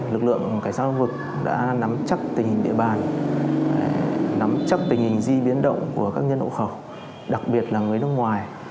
lực lượng cảnh sát giao thông đã nắm chắc tình hình địa bàn nắm chắc tình hình di biến động của các nhân hộ khẩu đặc biệt là người nước ngoài